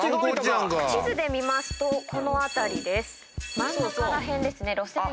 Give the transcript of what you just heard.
地図で見ますとこの辺りです。